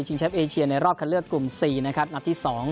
แชมป์เอเชียในรอบคันเลือกกลุ่ม๔นะครับนัดที่๒